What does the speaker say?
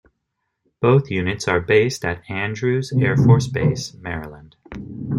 Both units are based at Andrews Air Force Base, Maryland.